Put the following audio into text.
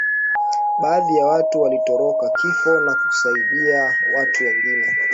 baadhi ya watu walitoroka kifo na kusaidia watu wengine